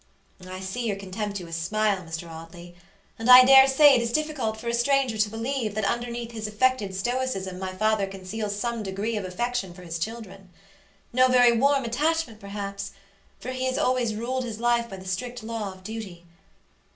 I see your contemptuous smile, Mr. Audley, and I dare say it is difficult for a stranger to believe that underneath his affected stoicism my father conceals some degree of affection for his childrenno very warm attachment perhaps, for he has always ruled his life by the strict law of duty.